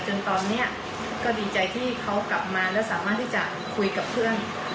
จนตอนนี้ก็ดีใจที่เขากลับมาแล้วสามารถที่จะคุยกับเพื่อน